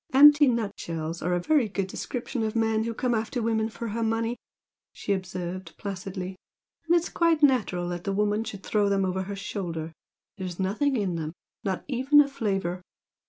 "Empty nutshells are a very good description of men who come after a woman for her money" she observed, placidly "and it's quite natural that the woman should throw them over her shoulder. There's nothing in them not even a flavour!